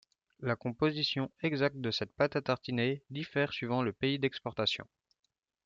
La composition exacte de cette pâte à tartiner diffère suivant le pays d'exportation.